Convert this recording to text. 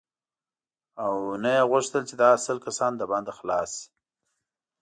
او نه یې غوښتل چې دغه سل کسان له بنده خلاص شي.